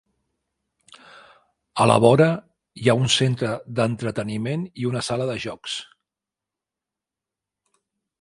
A la vora hi ha un centre d'entreteniment i una sala de jocs.